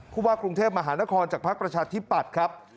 ผู้ว่ากรุงเทพมหานครจากภักดิ์ประชาธิปัตย์ครับ